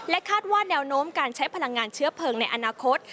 คาดว่าแนวโน้มการใช้พลังงานเชื้อเพลิงในอนาคต